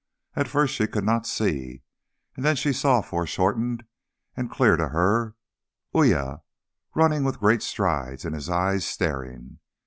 At first she could not see, and then she saw, foreshortened and clear to her, Uya, running with great strides and his eyes staring.